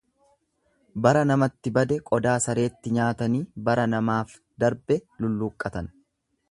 Bara namatti bade qodaa sareetti nyaatanii bara namaaf darbe Iulluuqqatu.